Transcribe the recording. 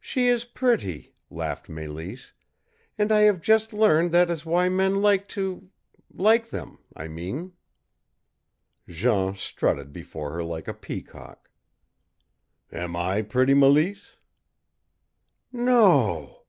"She is pretty," laughed Mélisse, "and I have just learned that is why men like to like them, I mean." Jean strutted before her like a peacock. "Am I pretty, Mélisse?" "No o o o."